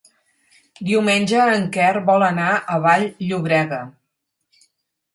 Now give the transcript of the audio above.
Diumenge en Quer vol anar a Vall-llobrega.